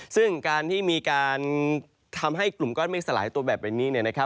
ซึ่งการที่มีการทำให้กลุ่มกล้อนเมฆสลายตัวแบบนี้